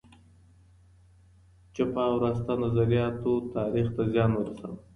چپه او راسته نظریاتو تاریخ ته زیان ورساوه.